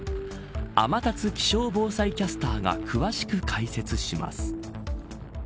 天達気象防災キャスターが詳しく解説します。